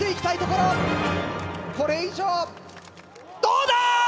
これ以上どうだ